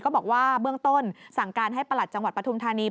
บอกว่าเบื้องต้นสั่งการให้ประหลัดจังหวัดปฐุมธานี